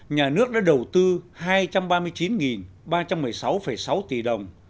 nhà nước đã đầu tư hai trăm ba mươi chín ba trăm một mươi sáu sáu tỷ đồng